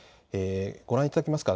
ご覧いただけますか。